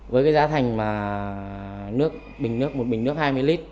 với cái giá thành mà nước bình nước một bình nước hai mươi lít